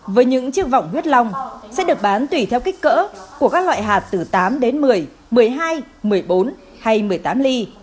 vòng huyết lòng sẽ được bán tùy theo kích cỡ của các loại hạt từ tám đến một mươi một mươi hai một mươi bốn hay một mươi tám ly